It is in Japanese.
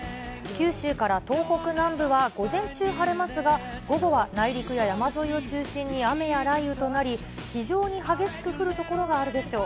九州から東北南部は午前中晴れますが、午後は内陸や山沿いを中心に雨や雷雨となり、非常に激しく降る所があるでしょう。